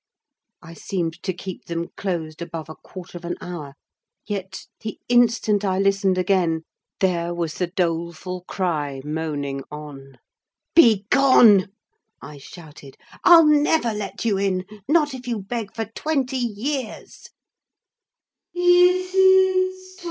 I seemed to keep them closed above a quarter of an hour; yet, the instant I listened again, there was the doleful cry moaning on! "Begone!" I shouted. "I'll never let you in, not if you beg for twenty years."